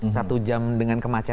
satu jam dengan kemacetan